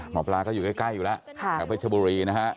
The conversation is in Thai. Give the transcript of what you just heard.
หมอปลาก็อยู่ใกล้อยู่แล้วแถวเพชรบุรีนะฮะ